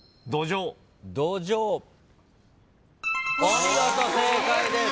お見事正解です。